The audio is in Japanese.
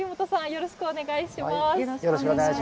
よろしくお願いします。